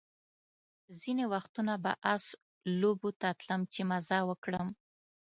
ځینې وختونه به آس لوبو ته تلم چې مزه وکړم.